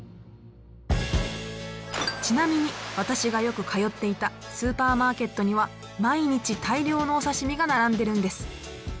ちなみに私がよく通っていたスーパーマーケットには毎日大量のお刺身が並んでるんです。